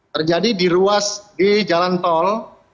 terjadi di ruas di jalan tol